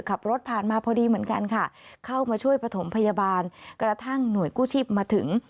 ขับรถผ่านมาพอดีเหมือนกันค่ะเข้ามาช่วยประถมพยาบาลกระทั่งหน่วยกู้ชีพมาถึง